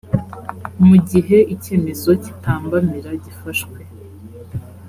mu gihe icyemezo cyitambamira gifashwe